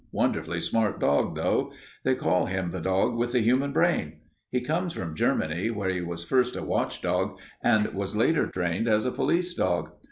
Wonderfully smart dog, though. They call him the dog with the human brain. He comes from Germany, where he was first a watchdog and was later trained as a police dog.